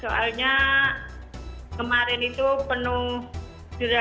soalnya kemarin itu penuh derajat